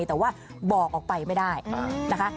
แต่ว่าบอกออกไปไม่ได้นะคะ